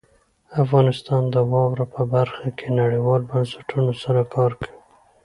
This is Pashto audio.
افغانستان د واوره په برخه کې نړیوالو بنسټونو سره کار کوي.